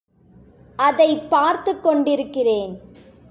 அதைப் பார்த்துக் கொண்டிருக்கிறேன்.